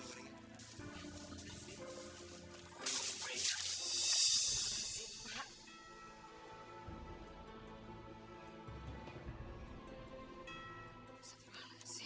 terima kasih pak